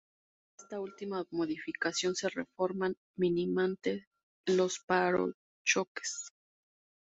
En esta última modificación, se reforman mínimamente los parachoques.